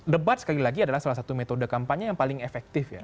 debat sekali lagi adalah salah satu metode kampanye yang paling efektif ya